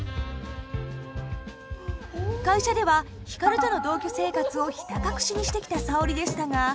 会社では光との同居生活をひた隠しにしてきた沙織でしたが。